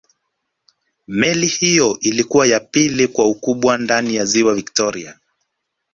meli hiyo ilikuwa ya pili kwa ukubwa ndani ya ziwa victoria